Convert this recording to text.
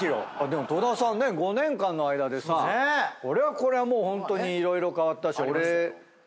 でも戸田さんね５年間の間でさこりゃこりゃもうホントに色々変わったし。